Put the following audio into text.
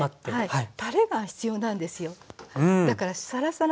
はい。